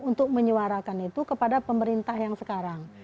untuk menyuarakan itu kepada pemerintah yang sekarang